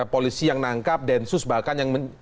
polisi yang menangkap densus bahkan yang